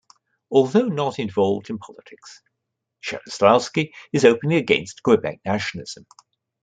Although not involved in politics, Jarislowsky is openly against Quebec nationalism.